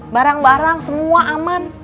barang barang semua aman